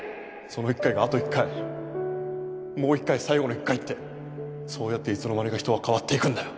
その一回があと一回もう一回最後の一回ってそうやっていつの間にか人は変わっていくんだよ。